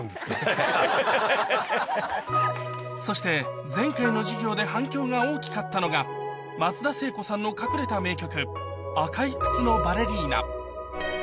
そして前回の授業で反響が大きかったのが松田聖子さんの隠れた名曲